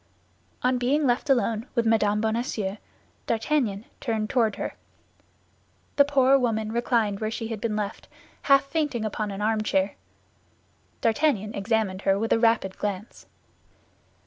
On being left alone with Mme. Bonacieux, D'Artagnan turned toward her; the poor woman reclined where she had been left, half fainting upon an armchair. D'Artagnan examined her with a rapid glance.